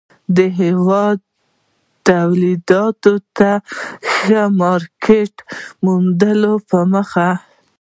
د هېواد توليداتو ته ښه مارکيټ موندلو په موخه